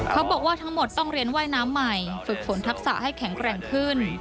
เขาบอกว่าทั้งหมดต้องเรียนว่ายน้ำใหม่ฝึกฝนทักษะให้แข็งแกร่งขึ้น